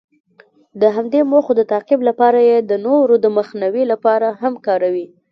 د همدې موخو د تعقیب لپاره یې د نورو د مخنیوي لپاره هم کاروي.